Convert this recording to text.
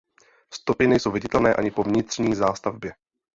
Stopy nejsou viditelné ani po vnitřní zástavbě.